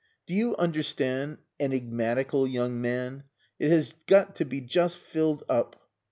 "Do you understand, enigmatical young man? It has got to be just filled up."